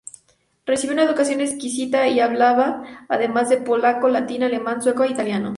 Recibió una educación exquisita y hablaba, además del polaco, latín, alemán, sueco e italiano.